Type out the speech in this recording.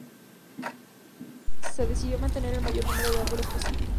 Se decidió mantener el mayor número de árboles posible.